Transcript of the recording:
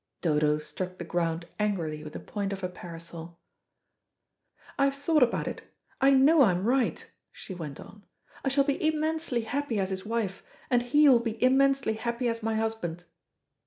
Dodo struck the ground angrily with the point of her parasol. "I have thought about it. I know I am right," she went on. "I shall be immensely happy as his wife, and he will be immensely happy as my husband."